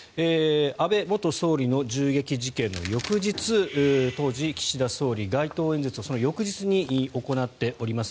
安倍元総理の銃撃事件の翌日当時、岸田総理街頭演説をその翌日に行っております。